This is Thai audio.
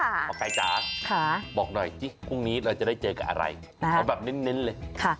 หมอไก่จ๋าบอกหน่อยสิพรุ่งนี้เราจะได้เจอกับอะไรเอาแบบเน้นเลย